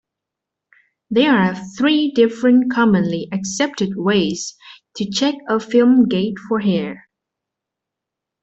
There are three different commonly accepted ways to check a film gate for hairs.